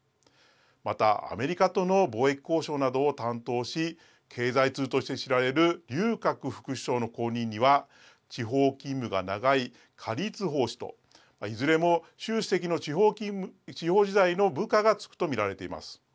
また、アメリカとの貿易交渉などを担当し経済通として知られる劉鶴副首相の後任には地方勤務が長い、何立峰氏といずれも習主席の地方時代の部下がつくと見られています。